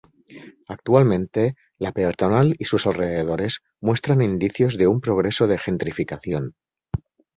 Actualmente la peatonal y sus alrededores muestran indicios de un proceso de gentrificación.